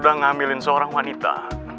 udah ngambilin seorang wanita